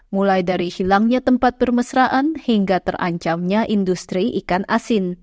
mulai dari hilangnya tempat permesraan hingga terancamnya industri ikan asin